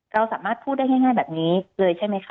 เราสามารถพูดได้ง่ายแบบนี้เลยใช่ไหมคะ